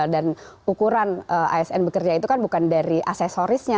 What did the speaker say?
dan ukuran asn bekerja itu kan bukan dari aksesorisnya